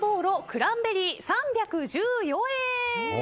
クランベリー３１４円。